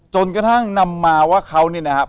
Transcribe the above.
จนกระทั่งนำมาว่าเขาเนี่ยนะครับ